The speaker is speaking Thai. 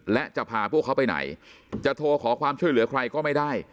และจะพาพวกเขาไปไหนจะโทรขอความช่วยเหลือใครก็ไม่ได้